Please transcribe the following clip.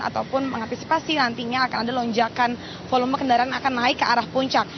ataupun mengantisipasi nantinya akan ada lonjakan volume kendaraan akan naik ke arah puncak